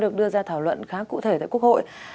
được đưa ra thảo luận khá cụ thể tại quốc hội